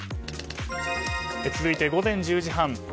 続いて午前１０時半。